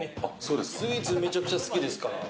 スイーツめちゃくちゃ好きですから。